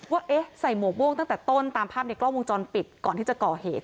ว่าเอ๊ะใส่หมวกม่วงตั้งแต่ต้นตามภาพในกล้องวงจรปิดก่อนที่จะก่อเหตุ